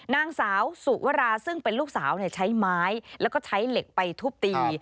นางสาวสุวราซึ่งเป็นลูกสาวใช้ไม้แล้วก็ใช้เหล็กไปทุบตี